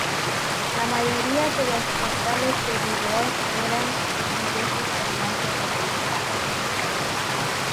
La mayoría de los portales de vídeo generan sus ingresos mediante publicidad.